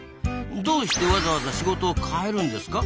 どうしてわざわざ仕事を変えるんですか？